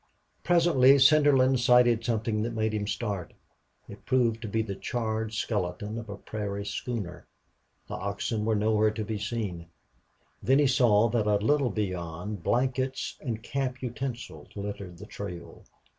Presently Slingerland sighted something that made him start. It proved to be the charred skeleton of a prairie schooner. The oxen were nowhere to be seen. Then they saw that a little beyond blankets and camp utensils littered the trail.